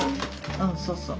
うんそうそう。